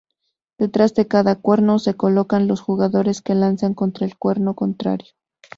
Detrás de cada cuerno se colocan los jugadores que lanzan contra el cuerno contrario.